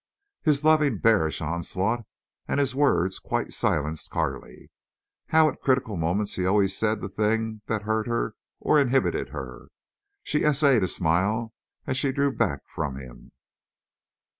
His loving, bearish onslaught and his words quite silenced Carley. How at critical moments he always said the thing that hurt her or inhibited her! She essayed a smile as she drew back from him.